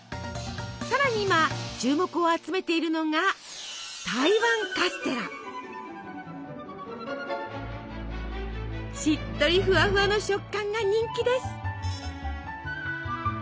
更に今注目を集めているのがしっとりフワフワの食感が人気です。